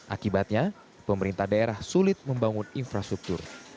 akibatnya pemerintah daerah sulit membangun infrastruktur